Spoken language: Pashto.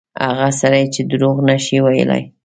هغه سړی چې دروغ نه شي ویلای.